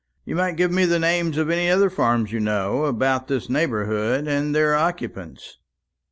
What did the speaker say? You might give me the names of any other farms you know about this neighbourhood, and their occupants."